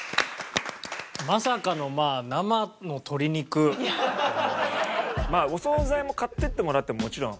まさかのまあまあお惣菜も買っていってもらってももちろん。